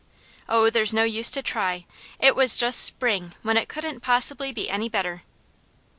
Oh there's no use to try it was just SPRING when it couldn't possibly be any better.